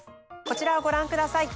こちらをご覧ください。